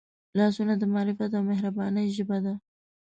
لاسونه د معرفت او مهربانۍ ژبه ده